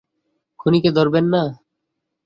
খুনিকে ধরবেন না?